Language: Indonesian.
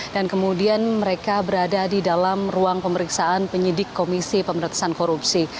kemudian mereka berada di dalam ruang pemeriksaan penyidik komisi pemerintahan korupsi